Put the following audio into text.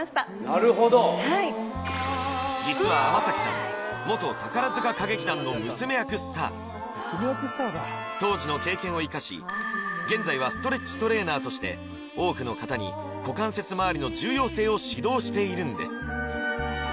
なるほどはい実は天咲さん当時の経験を生かし現在はストレッチトレーナーとして多くの方に股関節まわりの重要性を指導しているんです